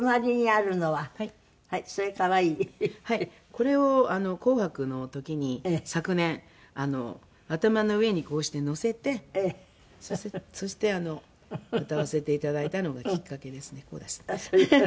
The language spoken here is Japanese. これを『紅白』の時に昨年頭の上にこうして載せてそして歌わせていただいたのがきっかけですねこうですね。フフフ！